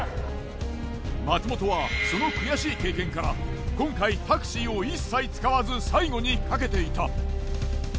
松本はその悔しい経験から今回タクシーを一切使わず最後にかけていた。